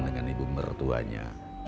dengan ibu mertuanya